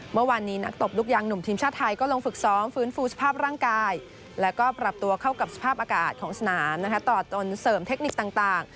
เมื่อวานนี้นักตบลูกยางหนุ่มทีมชาติไทยก็ลงฝึกซ้อมฟื้นฟูสภาพร่างกายแล้วก็ปรับตัวเข้ากับสภาพอากาศของสนามต่อตนเสริมเทคนิคต่าง